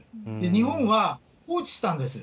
日本は放置したんです。